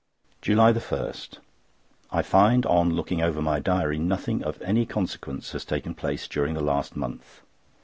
JULY 1.—I find, on looking over my diary, nothing of any consequence has taken place during the last month.